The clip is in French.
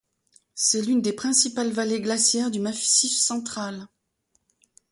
C'est l'une des principales vallées glaciaires du Massif central.